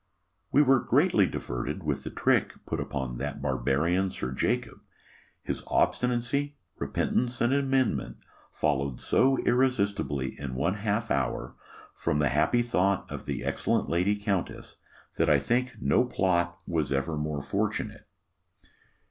We were greatly diverted with the trick put upon that barbarian Sir Jacob. His obstinacy, repentance, and amendment, followed so irresistibly in one half hour, from the happy thought of the excellent lady countess, that I think no plot was ever more fortunate.